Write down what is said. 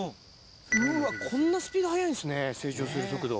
うわこんなスピード速いんですね成長する速度。